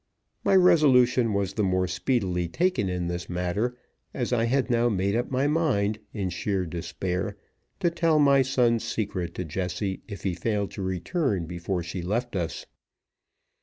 My resolution was the more speedily taken in this matter, as I had now made up my mind, in sheer despair, to tell my son's secret to Jessie if he failed to return before she left us.